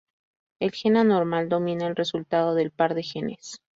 El gen anormal domina el resultado del par de genes.